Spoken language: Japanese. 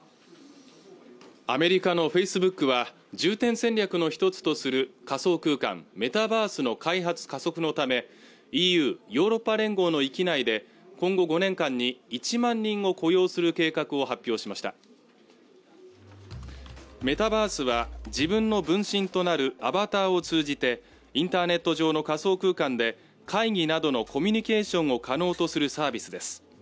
アメリカのフェイスブックは重点戦略の一つとする仮想空間メタバースの開発加速のためＥＵ＝ヨーロッパ連合の域内で今後５年間に１万人を雇用する計画を発表しましたメタバースは自分の分身となるアバターを通じてインターネット上の仮想空間で会議などのコミュニケーションを可能とするサービスです